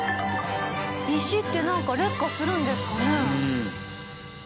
石ってなんか劣化するんですかね？